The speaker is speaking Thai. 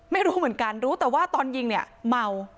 ไม่รู้เหมือนกันรู้แต่ว่าตอนยิงเนี่ยเมา